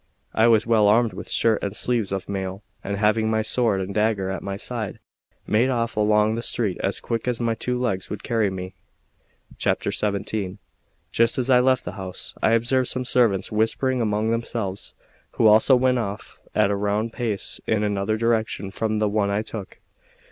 I was well armed with shirt and sleeves of mail, and having my sword and dagger at my side, made off along the street as quick as my two legs would carry me. XVII JUST as I left the house, I observed some servants whispering among themselves, who also went off at a round pace in another direction from the one I took.